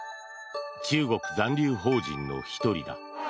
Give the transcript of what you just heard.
中国残留邦人の１人だ。